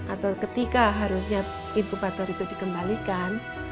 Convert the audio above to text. atau ketika harusnya inkubator itu dikembalikan